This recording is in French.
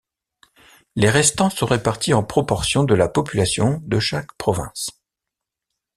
Les restant sont répartis en proportion de la population de chaque province.